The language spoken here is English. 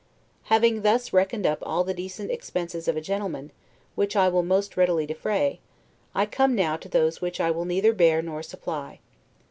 Having thus reckoned up all the decent expenses of a gentleman, which I will most readily defray, I come now to those which I will neither bear nor supply.